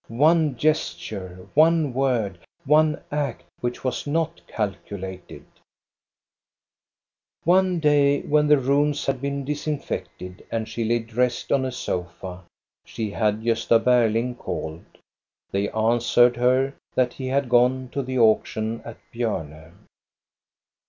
One gesture, one word, one act which was not calculated ! One day, when the rooms had been disinfected and she lay dressed on a sofa, she had Gosta Berling called. They answered her that he had gone to the auction at Bjorne.